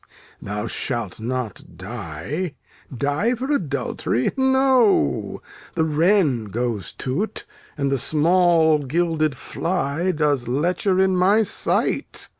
Thou shalt not die. Die for adultery? No. The wren goes to't, and the small gilded fly Does lecher in my sight.